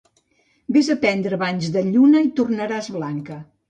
Ves a prendre banys de lluna i tornaràs blanca.